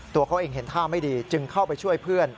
ตัวเขาเองเห็นท่าไม่ดีจึงเข้าไปช่วยเพื่อน